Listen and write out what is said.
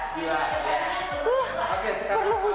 perlu usaha lebih untuk bisa membuat kita tetap tersenyum disini